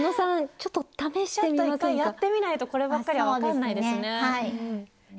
ちょっと一回やってみないとこればっかりは分かんないですね。